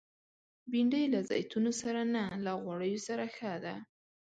بېنډۍ له زیتونو سره نه، له غوړیو سره ښه ده